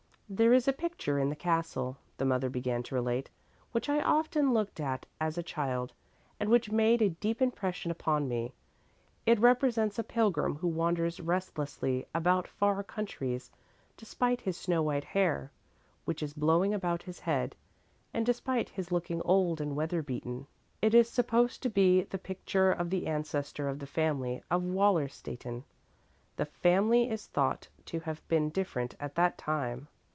"There is a picture in the castle," the mother began to relate, "which I often looked at as a child and which made a deep impression upon me. It represents a pilgrim who wanders restlessly about far countries, despite his snow white hair, which is blowing about his head, and despite his looking old and weather beaten. It is supposed to be the picture of the ancestor of the family of Wallerstätten. The family name is thought to have been different at that time.